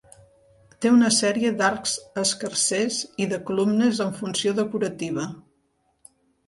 Té una sèrie d'arcs escarsers i de columnes amb funció decorativa.